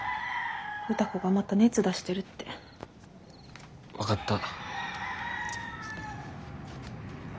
歌子がまた熱出してるって。分かった。